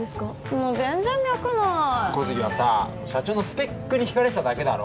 もう全然脈ない小杉はさ社長のスペックにひかれてただけだろ